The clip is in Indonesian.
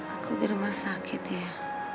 aku di rumah sakit ya